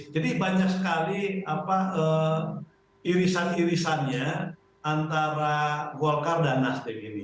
jadi banyak sekali irisan irisannya antara golkar dan nasdem ini